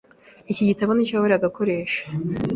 Iki gitabo nicyo yahoraga akoresha?